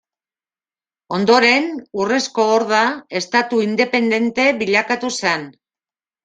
Ondoren, Urrezko Horda estatu independente bilakatu zen.